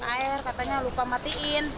air katanya lupa matiin